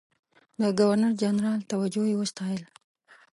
د ګورنرجنرال توجه یې وستایل.